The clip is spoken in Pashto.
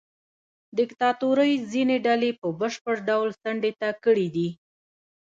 دیکتاتورۍ ځینې ډلې په بشپړ ډول څنډې ته کړې دي.